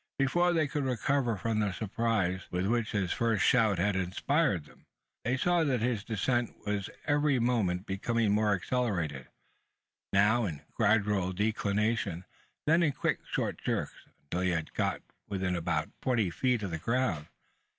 Before they could recover from the surprise, with which his first shout had inspired them, they saw that his descent was every moment becoming more accelerated: now in gradual declination, then in quick, short jerks until he had got within about twenty feet of the ground.